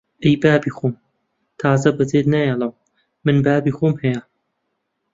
ئەی بابی خۆم! تازە بەجێت نایەڵم! من بابی خۆم هەیە!